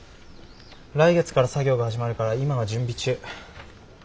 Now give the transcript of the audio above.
来月から作業が始まるから今は準備中。